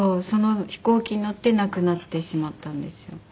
その飛行機に乗って亡くなってしまったんですよ。